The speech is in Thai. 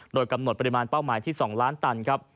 โดยกำหนดปริมาณเป้าหมายที่๒ล้านตันครับ